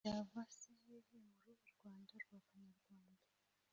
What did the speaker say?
yava se hehe mu ruhe rwanda rwa kanyarwanda ?